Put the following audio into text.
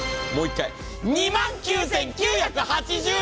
もう一回、２万９９８０円。